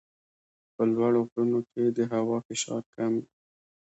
په لوړو غرونو کې د هوا فشار کم وي.